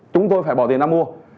chúng tôi phải bỏ tiền ra mua